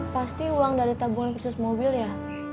pasti uang dari tabungan khusus mobil ya